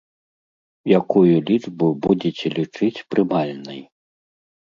Якую лічбу будзеце лічыць прымальнай?